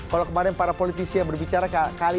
kalau kemarin para politisi yang berbicara